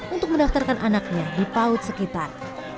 untuk mendaftarkan anaknya di paut sekitar